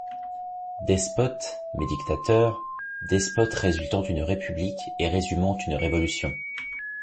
Despote, mais dictateur, despote résultant d’une république et résumant une révolution.